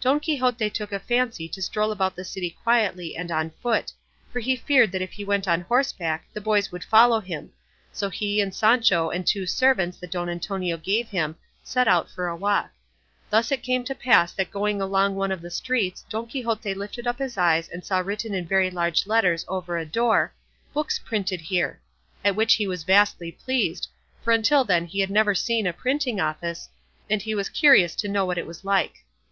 Don Quixote took a fancy to stroll about the city quietly and on foot, for he feared that if he went on horseback the boys would follow him; so he and Sancho and two servants that Don Antonio gave him set out for a walk. Thus it came to pass that going along one of the streets Don Quixote lifted up his eyes and saw written in very large letters over a door, "Books printed here," at which he was vastly pleased, for until then he had never seen a printing office, and he was curious to know what it was like.